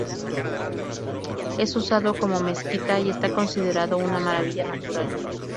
Es usado como mezquita y está considerado una maravilla natural.